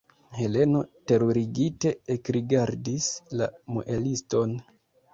Heleno terurigite ekrigardis la mueliston.